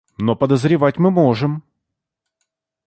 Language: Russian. Но подозревать мы можем.